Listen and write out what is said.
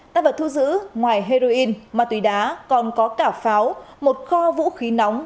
tăng vật thu giữ ngoài heroin ma túy đá còn có cả pháo một kho vũ khí nóng